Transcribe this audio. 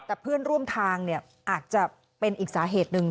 แต่เพื่อนร่วมทางเนี่ยอาจจะเป็นอีกสาเหตุหนึ่ง